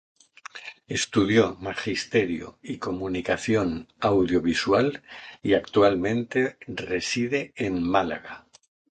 Estudió magisterio y comunicación audiovisual y actualmente reside en Málaga.